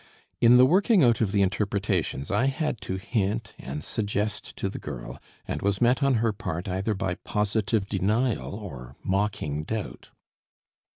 In the working out of the interpretations I had to hint and suggest to the girl, and was met on her part either by positive denial or mocking doubt.